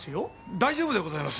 大丈夫でございます。